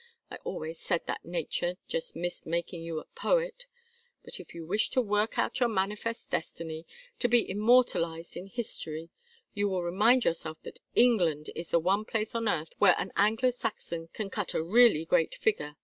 I always said that nature just missed making you a poet. But if you wish to work out your manifest destiny to be immortalized in history you will remind yourself that England is the one place on earth where an Anglo Saxon can cut a really great figure.